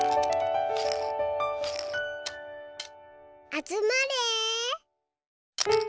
あつまれ。